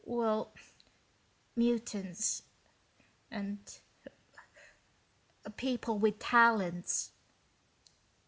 well, mutants, and people with talents...."